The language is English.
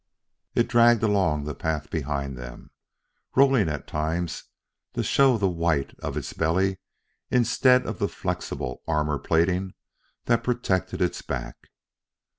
It dragged along the path behind them, rolling at times to show the white of its belly instead of the flexible armor plating that protected its back.